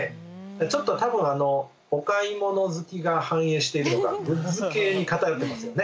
ちょっと多分お買い物好きが反映しているのかグッズ系に偏ってますよね。